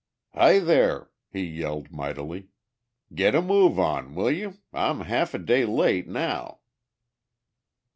"Hi, there," he yelled mightily. "Git a move on, will you? I'm half a day late now."